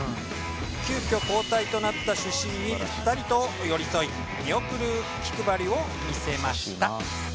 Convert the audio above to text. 急きょ交代となった主審にピッタリと寄り添い見送る気配りを見せました。